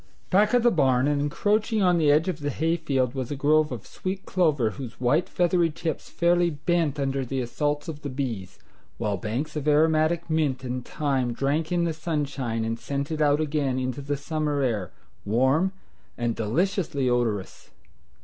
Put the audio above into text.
Back of the barn and encroaching on the edge of the hay field was a grove of sweet clover whose white feathery tips fairly bent under the assaults of the bees, while banks of aromatic mint and thyme drank in the sunshine and sent it out again into the summer air, warm, and deliciously odorous.